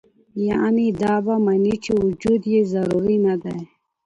يعني دا به مني چې وجود ئې ضروري نۀ دے